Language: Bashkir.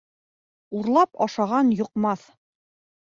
Урлап ашаған йоҡмаҫ.